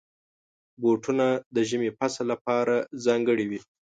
بوټونه د ژمي فصل لپاره ځانګړي وي.